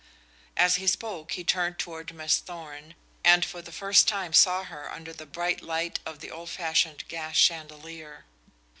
As he spoke he turned toward Miss Thorn, and for the first time saw her under the bright light of the old fashioned gas chandelier.